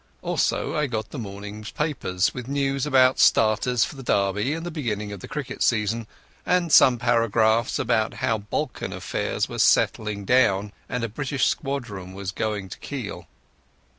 Also I got the morning's papers, with news about starters for the Derby and the beginning of the cricket season, and some paragraphs about how Balkan affairs were settling down and a British squadron was going to Kiel.